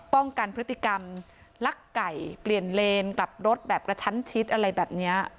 ป้องกันพฤติกรรมลักไก่เปลี่ยนเลนกลับรถแบบกระชั้นชิดอะไรแบบนี้